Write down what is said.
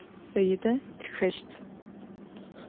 Саидэ тхэщт.